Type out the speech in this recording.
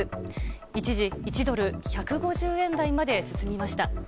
一時、１ドル＝１５０円台まで進みました。